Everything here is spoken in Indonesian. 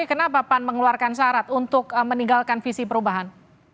kenapa pan mengeluarkan syarat untuk meninggalkan visi perubahan